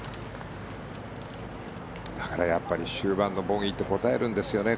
だからやっぱり終盤のボギーてこたえるんですよね。